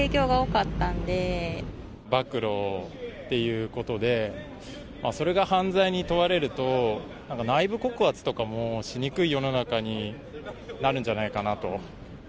暴露っていうことで、それが犯罪に問われると、なんか内部告発とかもしにくい世の中になるんじゃないかなと。